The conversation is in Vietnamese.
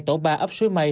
tổ ba ấp suối mây